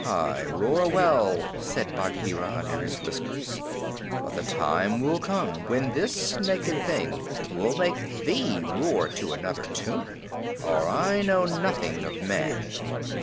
"Ay, roar well," said Bagheera, under his whiskers, "for the time will come when this naked thing will make thee roar to another tune, or I know nothing of man."